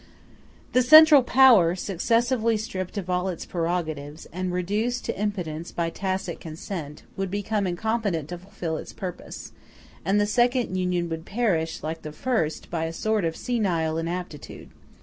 The central power, successively stripped of all its prerogatives, and reduced to impotence by tacit consent, would become incompetent to fulfil its purpose; and the second Union would perish, like the first, by a sort of senile inaptitude.